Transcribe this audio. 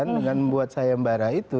dengan membuat sayembara itu